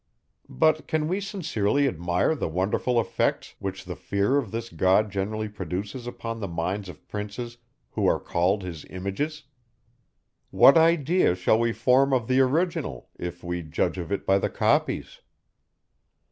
But, can we sincerely admire the wonderful effects, which the fear of this God generally produces upon the minds of princes, who are called his images? What idea shall we form of the original, if we judge of it by the copies!